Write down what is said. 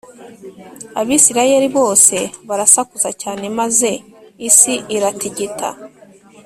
Abisirayeli bose barasakuza cyane maze isi iratigita